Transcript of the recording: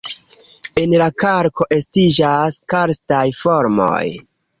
En la kalko estiĝas karstaj formoj.